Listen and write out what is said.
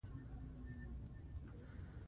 ځنګلونه د افغانستان د ښاري پراختیا سبب کېږي.